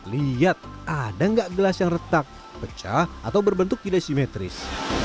lihat ada nggak gelas yang retak pecah atau berbentuk tidak simetris